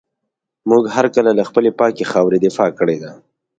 موږ هر کله له خپلي پاکي خاوري دفاع کړې ده.